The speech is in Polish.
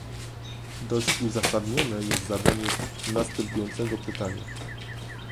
Dość uzasadnione jest zadanie następującego pytania